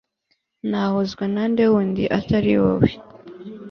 nahozwa nande wundi atari wowe